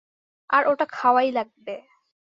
আর ওটা খাওয়াই লাগবে।